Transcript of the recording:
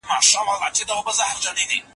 پوهانو سياستپوهنه د قدرت پوهه بللې ده.